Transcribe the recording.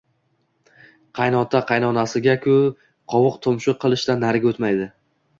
Qaynota-qaynonasiga-ku, qovuq-tumshuq qilishdan nariga o`tmaydi